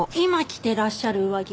てらっしゃる上着